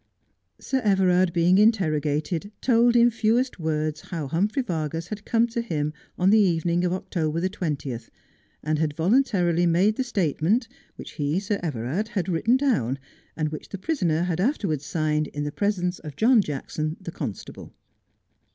Sir Everard being interrogated told in fewest words how Humphrey Vargas had come to him on the evening of October the twentieth, and had voluntarily made the statement, which he, Sir Everard, had written down, and which the prisoner had afterwards signed in the presence of John Jackson, the con stable.